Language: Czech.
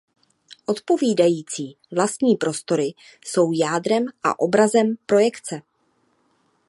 Odpovídající vlastní prostory jsou jádrem a obrazem projekce.